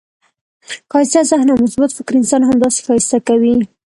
ښایسته ذهن او مثبت فکر انسان همداسي ښایسته کوي.